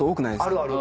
あるある。